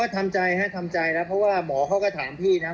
อ๋อทำใจนะเพราะว่าหมอเขาก็ถามพี่นะ